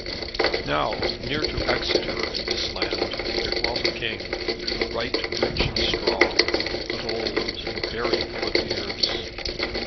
Now, near to Exeter, in this land, there dwelt a King, right rich and strong, but old and very full of years.